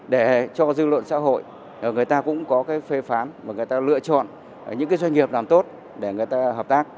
để cho dư luận xã hội người ta cũng có phê phán và người ta lựa chọn những doanh nghiệp làm tốt để người ta hợp tác